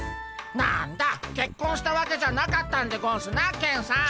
何だけっこんしたわけじゃなかったんでゴンスなケンさん。